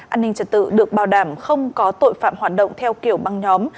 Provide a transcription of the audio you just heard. an ninh trật tự được bảo đảm không có tội phạm hoạt động theo kiểu băng nhóm